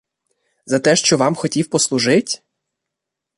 За те, що вам хотів послужить?